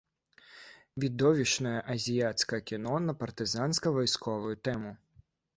Відовішчнае азіяцкае кіно на партызанска-вайсковую тэму.